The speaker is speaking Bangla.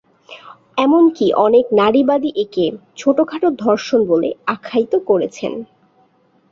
এমনকি অনেক নারীবাদী একে "ছোটোখাটো ধর্ষণ" বলে আখ্যায়িত করেছেন।